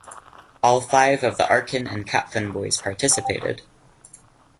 All five of the Arkin and Kaplan boys participated.